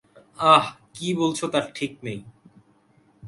আঃ, কী বকছ তার ঠিক নেই।